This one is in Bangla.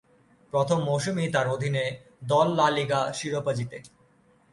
প্রথম মৌসুমেই তার অধীনে দল লা লিগা শিরোপা জিতে।